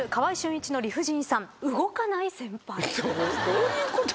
どういうこと？